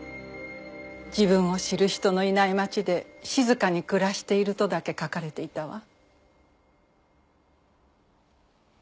「自分を知る人のいない町で静かに暮らしている」とだけ書かれていたわ。